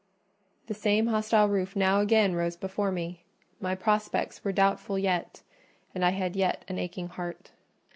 The same hostile roof now again rose before me: my prospects were doubtful yet; and I had yet an aching heart.